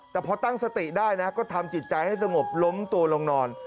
แต่พอตั้งสติได้นะก็ทำจิตใจให้สงบล้มตัวลงนอน